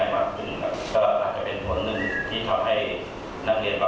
ก็คือตอนนี้ได้คุยได้ปรึกษากับอาจารย์แล้วนะคะก็คุยกันต่อพร้อมเข้าใจกันเรียบร้อยแล้ว